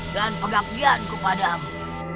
dan pengabdianku padamu